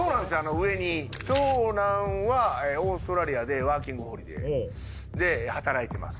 上に長男はオーストラリアでワーキングホリデーで働いてます